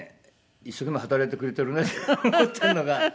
一生懸命働いてくれてるねって思ってるのか。